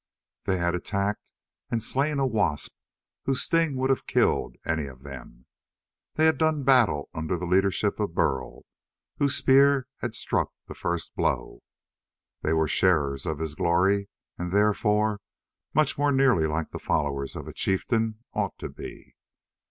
They had attacked and slain a wasp whose sting would have killed any of them. They had done battle under the leadership of Burl, whose spear had struck the first blow. They were sharers of his glory and, therefore, much more nearly like the followers of a chieftain ought to be.